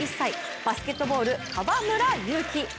バスケットボール、河村勇輝。